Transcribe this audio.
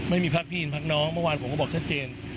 ไม่มีพักพี่อินพักน้องเมื่อวานผมก็บอกชัดเจน